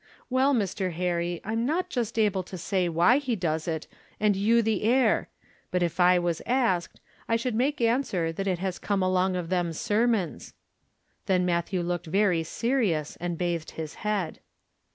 "Well Mr. Harry, I'm not just able to say why he does it, and you the heir. But if I was asked I should make answer that it has come along of them sermons." Then Matthew looked very serious, and bathed his head.